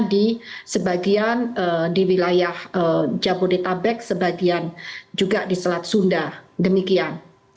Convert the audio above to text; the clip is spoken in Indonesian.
di sebagian di wilayah jabodetabek sebagian juga di selat sunda demikian